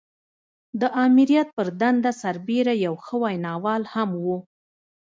د آمريت پر دنده سربېره يو ښه ويناوال هم و.